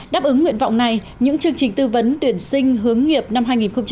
đáp ứng nguyện vọng này những chương trình tư vấn tuyển sinh hướng nghiệp năm hai nghìn hai mươi